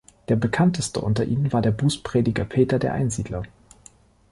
Der bekannteste unter ihnen war der Bußprediger Peter der Einsiedler.